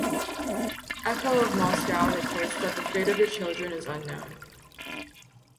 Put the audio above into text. Echo of Moscow reports that the fate of the children is unknown.